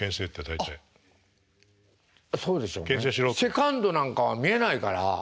セカンドなんかは見えないから。